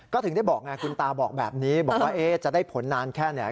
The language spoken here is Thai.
ก็ถึงได้บอกไงคุณตาบอกแบบนี้บอกว่าจะได้ผลนานแค่ไหน